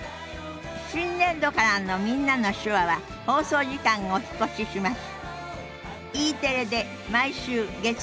新年度からの「みんなの手話」は放送時間がお引っ越しします。